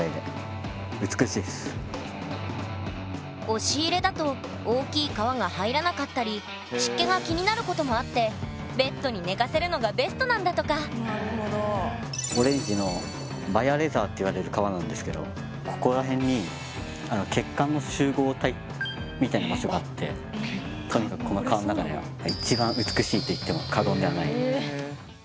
押し入れだと大きい革が入らなかったり湿気が気になることもあってベッドに寝かせるのがベストなんだとかオレンジのマヤレザーっていわれる革なんですけどここら辺にみたいな場所があってとにかくこの革の中ではと言っても過言ではない。